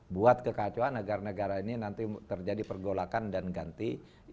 buat kekacauan agar negara ini nanti terjadi pergolakan dan ganti